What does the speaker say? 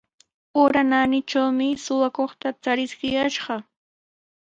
Ura naanitrawmi suqakuqta chariskiyashqa.